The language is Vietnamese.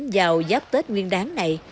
dào giáp tết nguyên đáng này